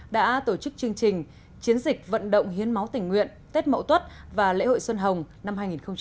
đã tổ chức chương trình chiến dịch vận động hiến máu tỉnh nguyện tết mậu tuất và lễ hội xuân hồng năm hai nghìn một mươi tám